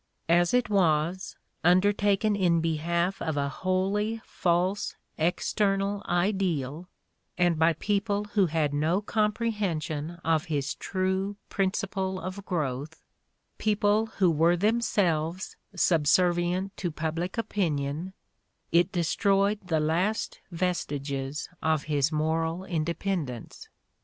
As it was, undertaken inbehalf of a wholly false, external ideal and by people who had no compre hension of his true principle of growth, people who were themselves subservient to public opinion, it destroyed the last vestiges of his moral independence.